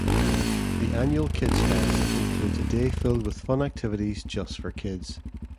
The Annual Kids Fest includes a day filled with fun activities just for kids.